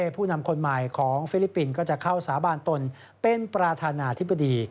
ผู้นำคนใหม่ของฟิลิปปินส์ก็จะเข้าสาบานตนเป็นประธานาธิบดี